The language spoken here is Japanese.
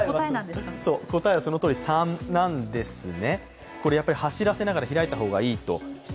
答えはそのとおり３なんですね。